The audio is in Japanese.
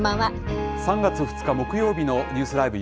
３月２日木曜日のニュースＬＩＶＥ！